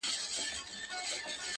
چي به شپه ورباندي تېره ورځ به شپه سوه!